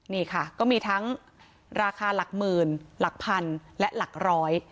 นี่ค่ะก็มีทั้งราคาหลักหมื่นหลักพันและหลักร้อย